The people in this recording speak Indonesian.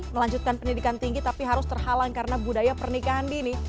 melanjutkan pendidikan tinggi tapi harus terhalang karena budaya pernikahan dini